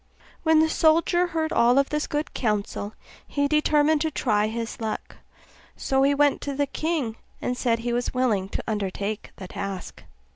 When the soldier heard all this good counsel, he determined to try his luck: so he went to the king, and said he was willing to undertake the task.